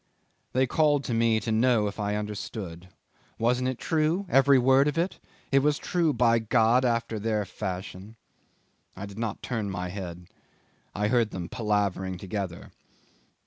They called to me to know if I understood wasn't it true, every word of it? It was true, by God! after their fashion. I did not turn my head. I heard them palavering together.